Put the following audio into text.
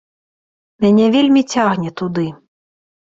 Мяне вельмі цягне туды.